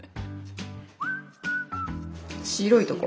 白いとこ。